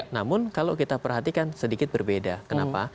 namun kalau kita perhatikan sedikit berbeda kenapa